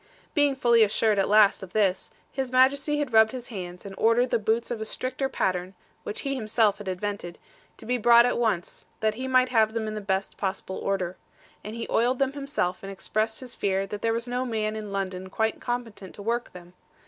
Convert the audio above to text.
Being fully assured at last of this, His Majesty had rubbed his hands, and ordered the boots of a stricter pattern (which he himself had invented) to be brought at once, that he might have them in the best possible order. And he oiled them himself, and expressed his fear that there was no man in London quite competent to work them.